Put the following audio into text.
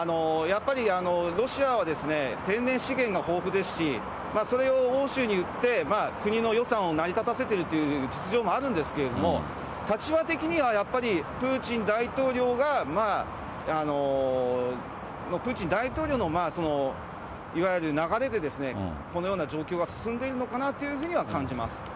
やっぱりロシアは天然資源が豊富ですし、それを欧州に売って、国の予算を成り立たせてるという実情もあるんですけれども、立場的には、やっぱりプーチン大統領が、プーチン大統領のいわゆる流れで、このような状況が進んでいるのかなというふうには感じます。